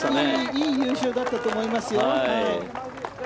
いい優勝だったと思いますよ。